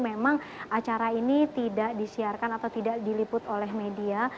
memang acara ini tidak disiarkan atau tidak diliput oleh media